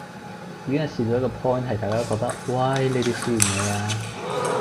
已經係試到一個 point 係大家覺得喂，你地試完未啊